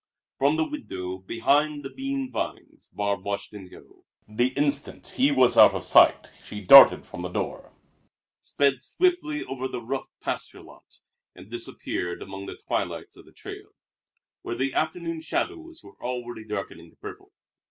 From the window, behind the bean vines, Barbe watched him go. The instant he was out of sight she darted from the door, sped swiftly over the rough pasture lot, and disappeared among the twilights of the trail, where the afternoon shadows were already darkening to purple.